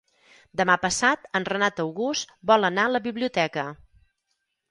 Demà passat en Renat August vol anar a la biblioteca.